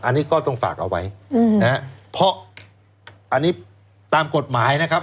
อันนี้ก็ต้องฝากเอาไว้อืมนะฮะเพราะอันนี้ตามกฎหมายนะครับ